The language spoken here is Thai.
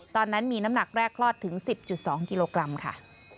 ตอนนั้นมีน้ำหนักแรกคลอดถึง๑๐๒กิโลกรัมค่ะ